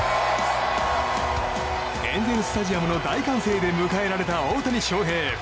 エンゼル・スタジアムの大歓声で迎えられた大谷翔平。